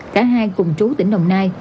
cả hai cùng chú tỉnh đồng nai